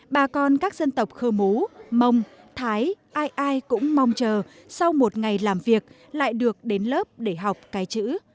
bà con các dân tộc khơ mú mông thái ai ai cũng mong chờ sau một ngày làm việc lại được đến lớp để học cái chữ